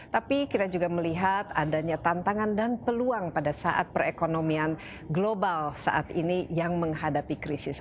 tapi kita juga melihat adanya tantangan dan peluang pada saat perekonomian global saat ini yang menghadapi krisis